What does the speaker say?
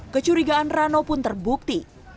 kecurigaan rano pun terbukti